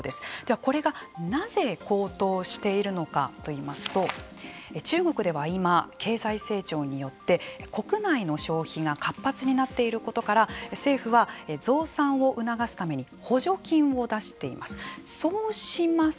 これがなぜ高騰しているのかといいますと中国では今経済成長によって国内の消費が活発になっていることから政府は増産を促すために補助金を出しています。